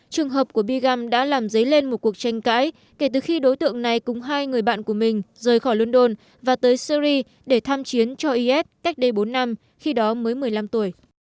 trường hợp của biegum đã làm dấy lên một cuộc tranh cãi kể từ khi đối tượng này cùng hai người bạn của mình rời khỏi london và tới syri để tham chiến cho is cách đây bốn năm khi đó mới một mươi năm tuổi